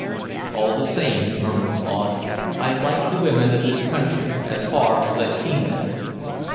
"All the same," murmured Claude, "I like the women of this country, as far as I've seen them."